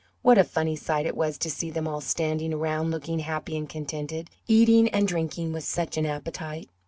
What a funny sight it was to see them all standing around looking happy and contented, eating and drinking with such an appetite!